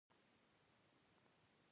د طبیعت وروستی موسکا ده